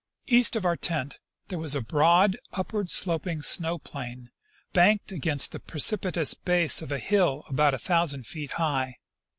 East of our tent there was a broad, upward sloping snow plain banked against the precipitous base of a hill about a thousand feet high.